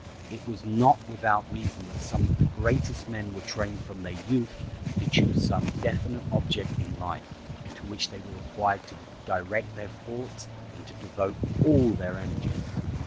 It was not without reason that some of the greatest of men were trained from their youth to choose some definite object in life, to which they were required to direct their thoughts and to devote all their energies.